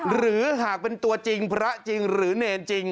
หรือหากเป็นตัวจริงพระจริงหรือเนรจริง